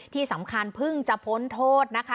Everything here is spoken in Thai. ที่สำคัญเพิ่งจะพ้นโทษนะคะ